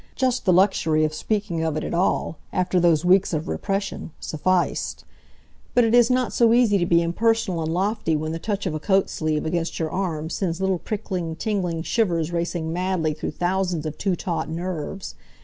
Just the luxury of speaking of it at all, after those weeks of repression, sufficed. But it is not so easy to be impersonal and lofty when the touch of a coat sleeve against your arm sends little prickling, tingling shivers racing madly through thousands of too taut nerves.